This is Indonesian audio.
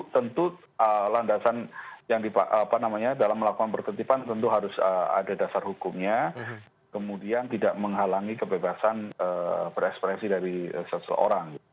tentu landasan yang dalam melakukan pertetipan tentu harus ada dasar hukumnya kemudian tidak menghalangi kebebasan berekspresi dari seseorang